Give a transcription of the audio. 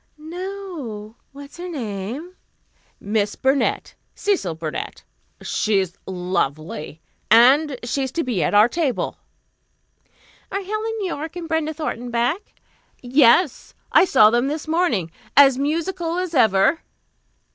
"No. What's her name?" "Miss Burnett Cecil Burnett. She's lovely. And she's to be at our table." "Are Helen Yorke and Brenda Thornton back?" "Yes. I saw them this morning. As musical as ever.